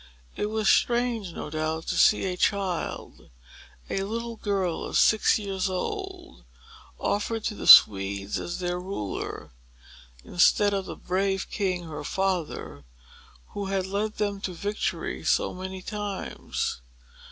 It was strange, no doubt, to see a child—a little girl of six years old—offered to the Swedes as their ruler, instead of the brave king, her father, who had led them to victory so many times.